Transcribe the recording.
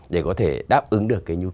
để có thể đáp ứng được cái nguy cơ này